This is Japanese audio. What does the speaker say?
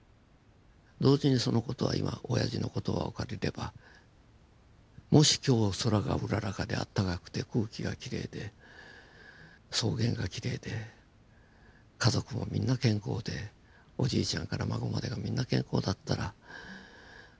同時にその事は今おやじの言葉を借りればもし今日空がうららかで暖かくて空気がきれいで草原がきれいで家族もみんな健康でおじいちゃんから孫までがみんな健康だったらそしたらその草原に行って家族みんなで